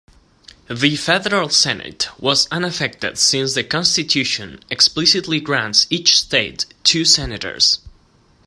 The federal Senate was unaffected since the Constitution explicitly grants each state two senators.